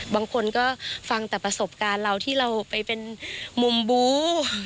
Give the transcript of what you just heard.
บางคนก็ฟังแต่ประสบการณ์เราที่เราไปเป็นมุมบู